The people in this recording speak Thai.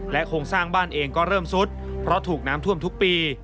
โครงสร้างบ้านเองก็เริ่มซุดเพราะถูกน้ำท่วมทุกปี